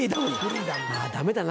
ダメだな